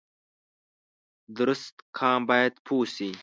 درست قام باید پوه شي